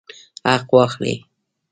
حق واخلئ